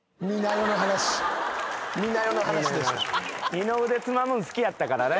二の腕つまむん好きやったからね。